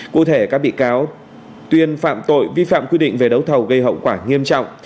cụ thể các bị cáo tuyên phạm tội vi phạm quy định về đấu thầu gây hậu quả nghiêm trọng